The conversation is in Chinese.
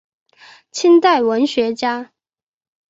清代文学家。